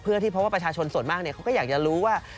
เพราะว่าประชาชนส่วนมากเขาก็อยากจะรู้ว่า